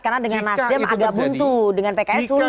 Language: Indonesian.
karena dengan nasdem agak buntu dengan pks sulit